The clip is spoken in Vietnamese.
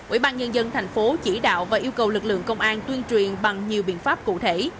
ủy ban nhân dân thành phố chỉ đạo và yêu cầu lực lượng công an tuyên truyền bằng nhiều biện pháp cụ thể